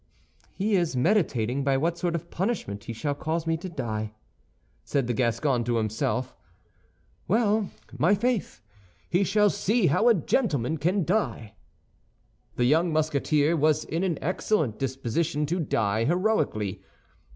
"He is meditating by what sort of punishment he shall cause me to die," said the Gascon to himself. "Well, my faith! he shall see how a gentleman can die." The young Musketeer was in excellent disposition to die heroically.